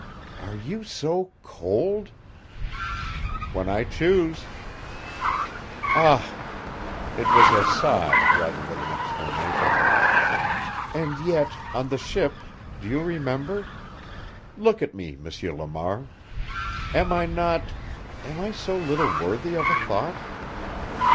"Are you so cold?" "When I choose." "Ah!" It was a sigh rather than an exclamation. "And yet, on the ship do you remember? Look at me, M. Lamar. Am I not am I so little worthy of a thought?"